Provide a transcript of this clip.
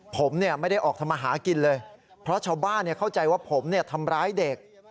ผมไม่ได้ออกทำมาหากินเลยเพราะชาวบ้านเข้าใจว่าผมทำร้ายเด็ก